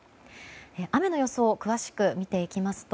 雨の予想を詳しく見ていきますと